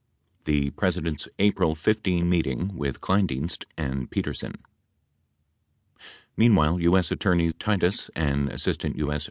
THE president's APRIL 15 MEETING WITH KLEINDIENST AND PETERSEN Meanwhile, TJ.S. Attorney Titus, and Assistant U.S.